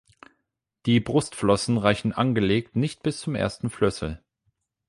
Die Brustflossen reichen angelegt nicht bis zum ersten Flössel.